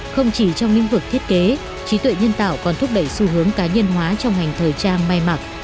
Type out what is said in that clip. không chỉ trong lĩnh vực thiết kế trí tuệ nhân tạo còn thúc đẩy xu hướng cá nhân hóa trong ngành thời trang may mặc